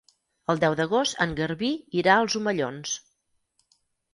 El deu d'agost en Garbí irà als Omellons.